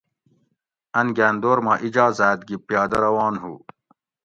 اۤن گاۤن دور ما اِجازاۤت گی پیادہ روان ہُو